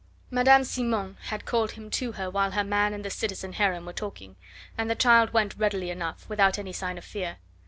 Madame Simon had called him to her while her man and the citizen Heron were talking, and the child went readily enough, without any sign of fear.